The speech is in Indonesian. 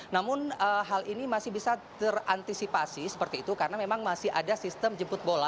namun hal ini masih bisa terantisipasi seperti itu karena memang masih ada sistem jemput bola